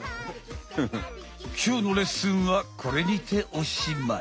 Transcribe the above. きょうのレッスンはこれにておしまい。